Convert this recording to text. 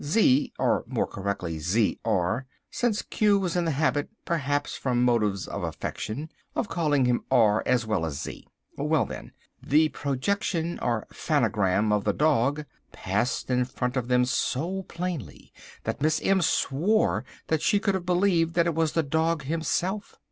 "Z, or more correctly Z R, since Q was in the habit, perhaps from motives of affection, of calling him R as well as Z. Well, then, the projection, or phanogram, of the dog passed in front of them so plainly that Miss M swore that she could have believed that it was the dog himself.